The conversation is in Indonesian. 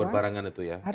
oh berbarengan itu ya